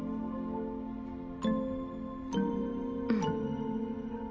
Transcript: うん。